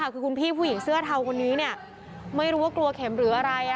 คือคุณพี่ผู้หญิงเสื้อเทาคนนี้ไม่รู้ว่ากลัวเข็มหรืออะไร